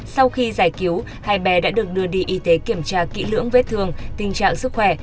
sau khi giải cứu hai bé đã được đưa đi y tế kiểm tra kỹ lưỡng vết thương tình trạng sức khỏe